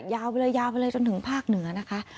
ยาวไปเลยจนถึงภาคเหนือนะคะ